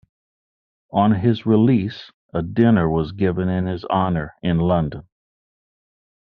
On his release a dinner was given in his honour in London.